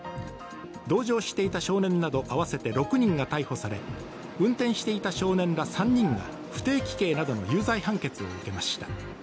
同乗していた少年など合わせて６人が逮捕され、運転していた少年ら３人が不定期刑などの有罪判決を受けました。